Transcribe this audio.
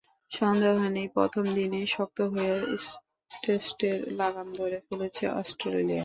সন্দেহ নেই, প্রথম দিনেই শক্ত করে টেস্টের লাগাম ধরে ফেলেছে অস্ট্রেলিয়া।